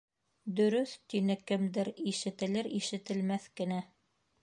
- Дөрөҫ, - тине кемдер ишетелер-ишетелмәҫ кенә.